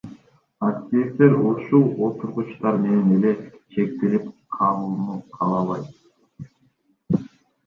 Активисттер ушул отургучтар менен эле чектелип калууну каалабайт.